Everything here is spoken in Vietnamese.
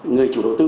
người chủ đầu tư